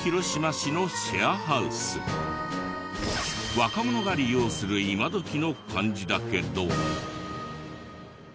若者が利用する今どきの感じだけど。